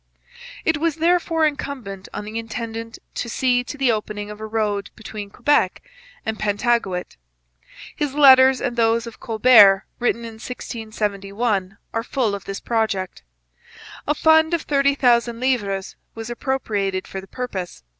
It was therefore incumbent on the intendant to see to the opening of a road between Quebec and Pentagouet. His letters and those of Colbert written in 1671 are full of this project. A fund of thirty thousand livres was appropriated for the purpose.